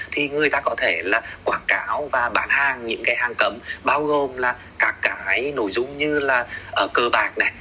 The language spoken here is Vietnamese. thì người ta có thể là quảng cáo và bán hàng những cái hàng cấm bao gồm là các cái nội dung như là cờ bạc này